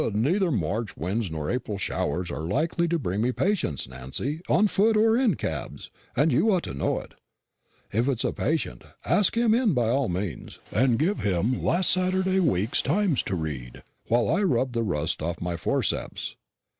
"Neither March winds nor April showers are likely to bring me patients, Nancy, on foot or in cabs, and you ought to know it. If it's a patient, ask him in, by all means, and give him last Saturday week's Times to read, while I rub the rust off my forceps.